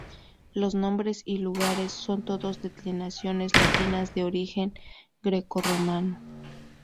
Los nombres y lugares son todos declinaciones latinas de origen greco-romano.